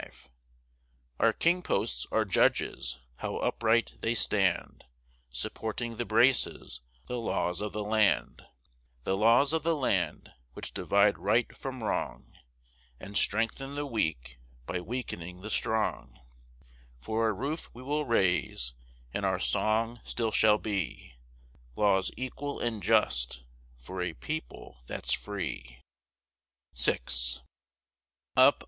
V Our king posts are judges; how upright they stand, Supporting the braces; the laws of the land: The laws of the land, which divide right from wrong, And strengthen the weak, by weak'ning the strong: For our roof we will raise, and our song still shall be, Laws equal and just, for a people that's free. VI Up!